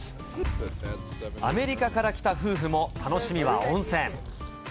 アメリカから来た夫婦も楽しみは温泉。